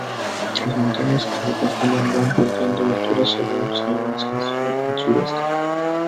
Las montañas que la conforman van perdiendo altura según se avanza hacia el sureste.